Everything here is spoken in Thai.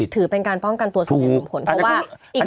ถือเป็นการป้องกันตัวสมเหตุสมผล